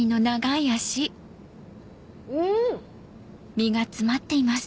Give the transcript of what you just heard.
うん！